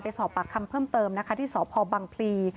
สอบปากคำเพิ่มเติมนะคะที่สพบังพลี